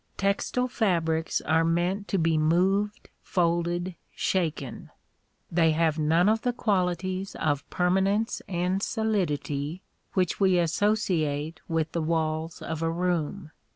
Textile fabrics are meant to be moved, folded, shaken: they have none of the qualities of permanence and solidity which we associate with the walls of a room.